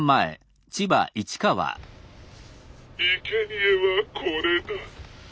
「いけにえはこれだ」。